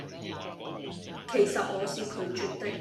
其實我是拒絕的